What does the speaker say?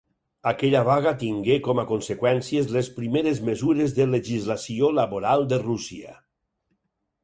Aquella vaga tingué com a conseqüències les primeres mesures de legislació laboral de Rússia.